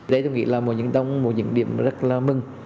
đây tôi nghĩ là một những điểm rất là mừng